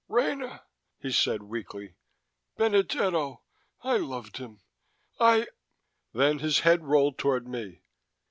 "Rena," he said weakly. "Benedetto! I loved him. I " Then his head rolled toward me.